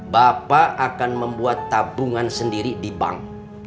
bapak akan membuat tabungan sendiri di bank